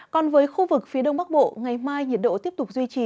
còn với khu vực phía đông bắc bộ ngày mai nhiệt độ tiếp tục duy trì